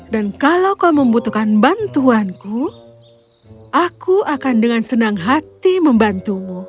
dan kalau kau membutuhkan bantuanku aku akan dengan senang hati membantumu